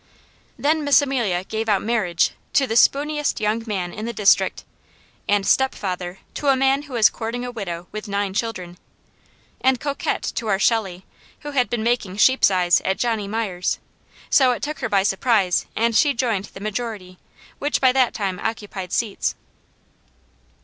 Then Miss Amelia gave out "marriage" to the spooniest young man in the district, and "stepfather" to a man who was courting a widow with nine children; and "coquette" to our Shelley, who had been making sheep's eyes at Johnny Myers, so it took her by surprise and she joined the majority, which by that time occupied seats.